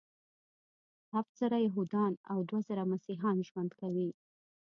هفت زره یهودان او دوه زره مسیحیان ژوند کوي.